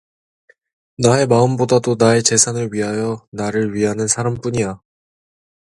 나의 마음 보다도 나의 재산을 위하여 나를 위하는 사람뿐이야.